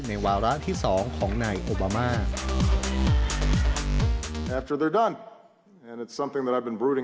ในวาระที่สองของนายโอบามา